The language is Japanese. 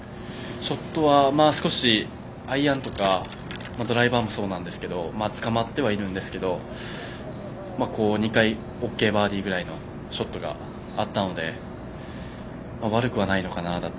ショットは、アイアンとかドライバーもそうなんですけどつかまってはいるんですけど２回、ＯＫバーディーぐらいのショットがあったので悪くはないのかなと。